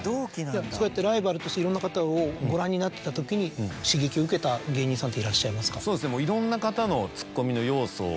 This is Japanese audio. そうやってライバルとしていろんな方をご覧になってた時刺激を受けた芸人さんっていらっしゃいますか？